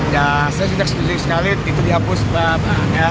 ya saya sudah setuju sekali itu dihapus pak